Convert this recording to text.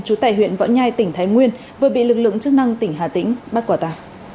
chú tài huyện võ nhai tỉnh thái nguyên vừa bị lực lượng chức năng tỉnh hà tĩnh bắt quả tà